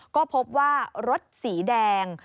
ก็พบว่ารถสีแดง